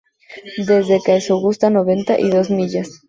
Desde Caesaraugusta noventa y dos millas.